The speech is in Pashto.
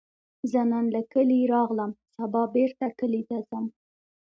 زه نن له کلي راغلم، سبا بیرته کلي ته ځم